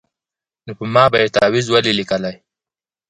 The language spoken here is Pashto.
نو په ما به یې تعویذ ولي لیکلای